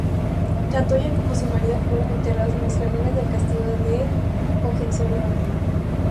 Tanto ella como su marido fueron enterrados en los jardines del castillo de Hohenzollern.